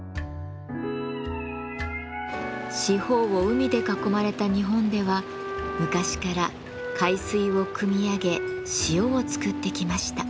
四方を海で囲まれた日本では昔から海水をくみ上げ塩を作ってきました。